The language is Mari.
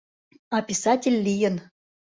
А писатель лийын!